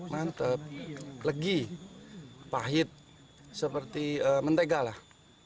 mantep legi pahit seperti mentega lah